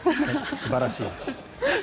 素晴らしいです。